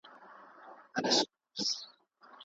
که انټرنېټي زده کړه وي، معلومات ژر شریکېږي.